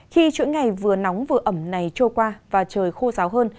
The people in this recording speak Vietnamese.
khi chuỗi ngày vừa nóng vừa ẩm này trôi qua và trời khô ráo hơn